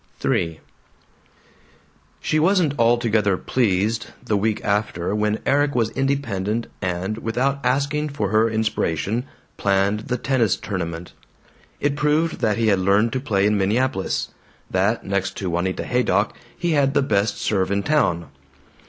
III She wasn't altogether pleased, the week after, when Erik was independent and, without asking for her inspiration, planned the tennis tournament. It proved that he had learned to play in Minneapolis; that, next to Juanita Haydock, he had the best serve in town.